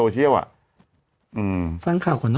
ชีปุ๊กมึงชวน